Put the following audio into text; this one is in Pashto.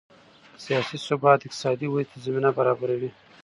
سیاسي ثبات اقتصادي ودې ته زمینه برابروي